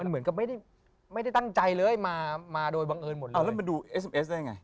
มันเหมือนกับไม่ได้ตั้งใจเลยมาโดยบังเอิญหมดเลย